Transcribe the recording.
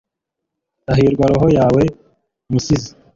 hahirwa roho yawe, musizi